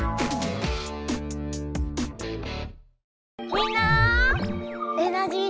みんなエナジー